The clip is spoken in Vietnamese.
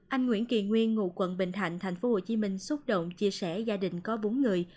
anh nguyễn kỳ nguyên ngụ quận bình thạnh tp hcm xúc động chia sẻ gia đình có bốn người